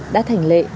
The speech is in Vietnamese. đã thành lệ